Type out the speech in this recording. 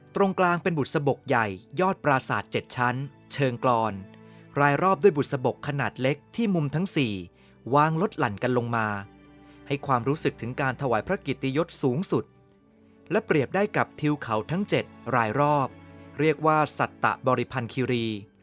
ตรงกลางเป็นบุษบกใหญ่ยอดปราศาสตร์๗ชั้นเชิงกรอนรายรอบด้วยบุษบกขนาดเล็กที่มุมทั้ง๔วางลดหลั่นกันลงมาให้ความรู้สึกถึงการถวายพระเกียรติยศสูงสุดและเปรียบได้กับทิวเขาทั้ง๗รายรอบเรียกว่าสัตตะบริพันธ์คิรี